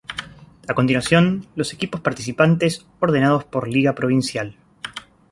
A continuación los equipos participantes, ordenados por Liga Provincial.